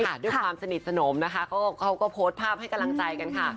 ด้วยความสนิทสนมนะคะเขาก็โพสต์ภาพให้กำลังใจกันค่ะ